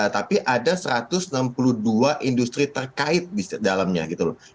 tapi ada satu ratus enam puluh dua industri terkait dalamnya gitu loh